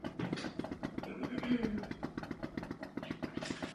Hlavním mluvčím výzvy byl Slávek Popelka.